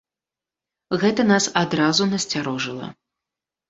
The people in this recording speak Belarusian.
Гэта нас адразу насцярожыла.